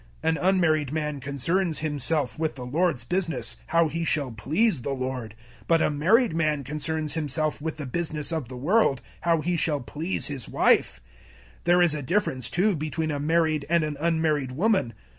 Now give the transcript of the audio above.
An unmarried man concerns himself with the Lord's business how he shall please the Lord; 007:033 but a married man concerns himself with the business of the world how he shall please his wife. 007:034 There is a difference too between a married and an unmarried woman.